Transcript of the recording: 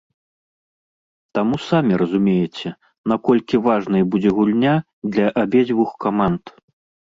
Таму самі разумееце, наколькі важнай будзе гульня для абедзвюх каманд.